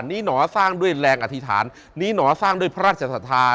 หนอสร้างด้วยแรงอธิษฐานนี้หนอสร้างด้วยพระราชศรัทธา